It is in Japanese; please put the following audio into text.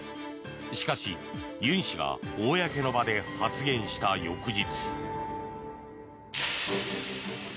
しかし、ユン氏が公の場で発言した翌日。